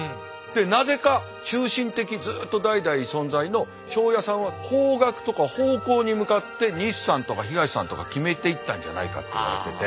なぜか中心的にずっと代々存在の庄屋さんは方角とか方向に向かって西さんとか東さんとか決めていったんじゃないかって言われてて。